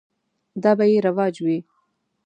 دا به یې رواج وي.